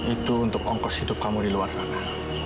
itu untuk ongkos hidup kamu di luar sana